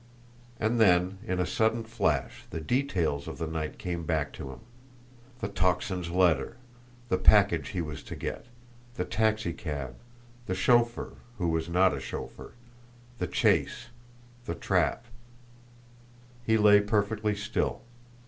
And then, in a sudden flash, the details of the night came back to him. The Tocsin's letter the package he was to get the taxicab the chauffeur, who was not a chauffeur the chase the trap. He lay perfectly still.